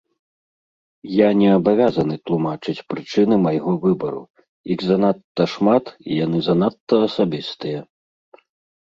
Я не абавязаны тлумачыць прычыны майго выбару, іх занадта шмат, і яны занадта асабістыя.